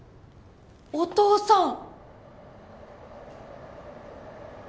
お父さん！